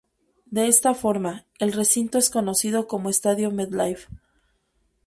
De esta forma, el recinto es conocido como Estadio MetLife.